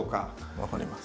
分かります。